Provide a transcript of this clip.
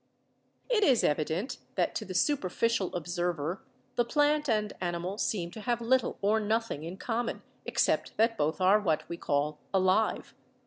It is evident that to the superficial observer the plant and animal seem to have little or nothing in common, except that both are what we call alive.